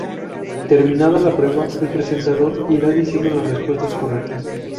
Terminada la prueba, el presentador irá diciendo las respuestas correctas.